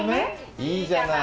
いいじゃない！